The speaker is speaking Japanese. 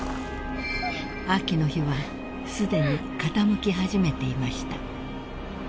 ［秋の日はすでに傾き始めていました］